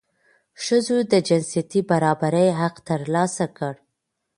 ښځو د جنسیتي برابرۍ حق ترلاسه کړ.